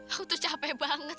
aku tuh capek banget